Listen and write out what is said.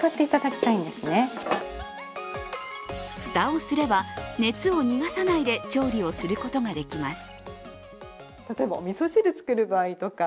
蓋をすれば、熱を逃がさないで調理をすることができます。